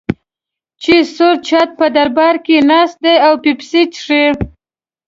چې سور څټ په دربار کې ناست دی او پیپسي څښي.